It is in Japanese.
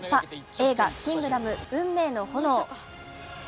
映画「キングダム運命の炎」。